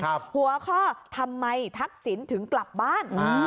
หัวข้อทำไมทักษิณถึงกลับบ้าน